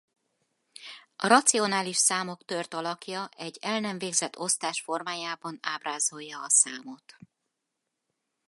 A racionális számok tört alakja egy el nem végzett osztás formájában ábrázolja a számot.